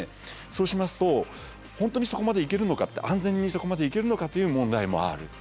そうしますと本当にそこまで行けるのかって安全にそこまで行けるのかという問題もある。